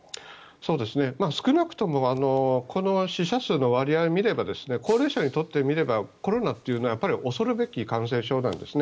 少なくともこの死者数の割合を見れば高齢者にとってみればコロナというのは恐るべき感染症なんですね。